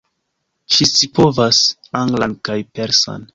Ŝi scipovas anglan kaj persan.